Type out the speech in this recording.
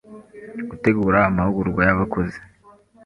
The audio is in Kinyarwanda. Gutegura amahugurwa y’abakozi